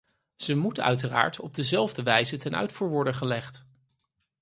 Ze moet uiteraard op dezelfde wijze ten uitvoer worden gelegd.